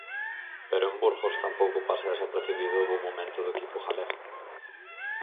Pero en Burgos tampouco pasa desapercibido o bo momento do equipo galego.